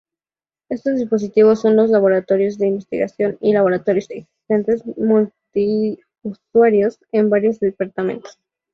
Estos dispositivos son los laboratorios de investigación y laboratorios existentes multiusuario en varios departamentos.